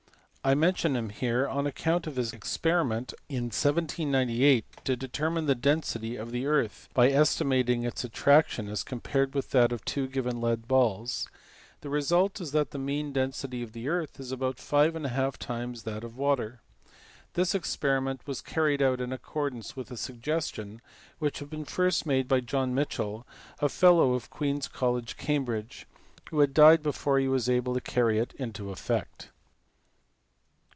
T mention him here on account of his experiment in 1798 to determine the density of the earth, by estimating its attraction as compared with that of two given lead balls : the result is that the mean density of the earth is about five and a half times that of water. This experiment was carried out in accordance with a suggestion which had been first made by John Michell, a fellow of Queens College, Cambridge, who had died before he was able to carry it into effect.